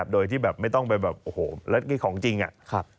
โดยที่แบบไม่ต้องไปแบบโอ้โหแล้วนี่ของจริงอะ